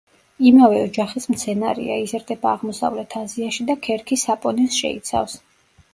იმავე ოჯახის მცენარეა, იზრდება აღმოსავლეთ აზიაში და ქერქი საპონინს შეიცავს.